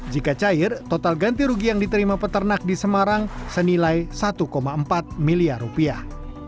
jika cair total ganti rugi yang diterima peternak di semarang senilai satu empat miliar rupiah